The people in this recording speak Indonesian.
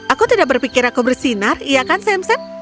aku tidak berpikir aku bersinar iya kan samset